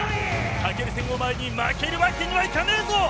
武尊戦を前に負けるわけにはいかねえぞ！